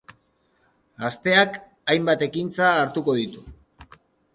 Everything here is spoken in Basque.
Asteak hainbat ekintza hartuko ditu.